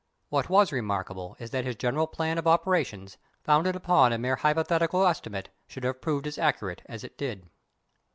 What was remarkable is that his general plan of operations, founded upon a mere hypothetical estimate, should have proved as accurate as it did.